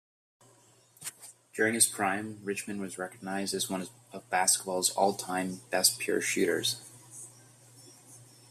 During his prime, Richmond was recognized as one of basketball's all-time best pure shooters.